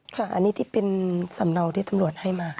ค่ะอันนี้ที่เป็นสำเนาที่ตำรวจให้มาค่ะ